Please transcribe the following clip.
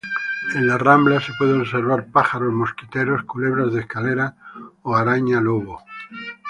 En las ramblas se puede observar pájaros mosquiteros, culebras de escalera o araña lobo.